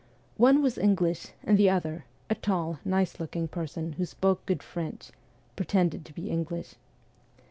One was English, and the other a tall, nice looking person, who spoke good French pretended to be English.